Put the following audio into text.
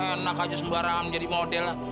enak aja sembarangan jadi model lah